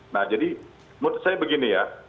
nah jadi menurut saya begini ya